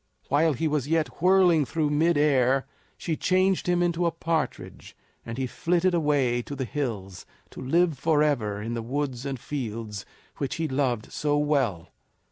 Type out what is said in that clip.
While he was yet whirling through mid air she changed him into a partridge, and he flitted away to the hills to live forever in the woods and fields which he loved so well.